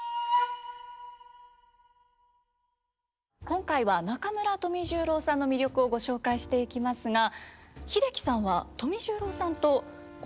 今回は中村富十郎さんの魅力をご紹介していきますが英樹さんは富十郎さんとご親交があったんですよね。